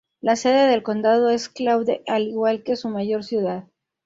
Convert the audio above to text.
La sede del condado es Claude, al igual que su mayor ciudad.